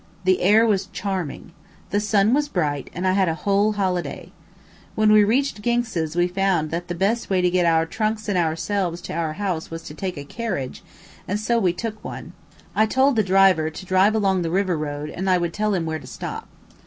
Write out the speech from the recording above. The air was charming. The sun was bright, and I had a whole holiday. When we reached Ginx's we found that the best way to get our trunks and ourselves to our house was to take a carriage, and so we took one. I told the driver to drive along the river road and I would tell him where to stop.